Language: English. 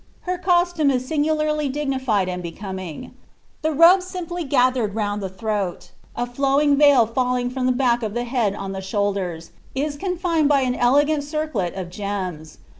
Her costume is singularly dignified and becoming. The robe simply gathered round the throat, a flowing nil &lliiig Iram the back of the head on the shoulders, is confined by an elegant circlet of gems.